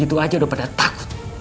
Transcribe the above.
itu aja udah pada takut